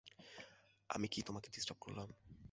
আমি কি তোমাকে ডিস্টার্ব করলাম?